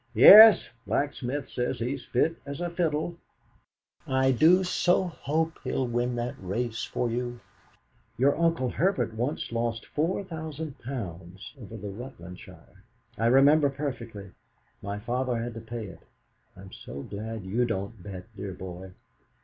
"Yes, Blacksmith says he's fit as a fiddle." "I do so hope he'll win that race for you. Your Uncle Hubert once lost four thousand pounds over the Rutlandshire. I remember perfectly; my father had to pay it. I'm so glad you don't bet, dear boy!"